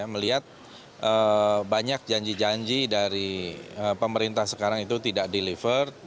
melihat banyak janji janji dari pemerintah sekarang itu tidak deliver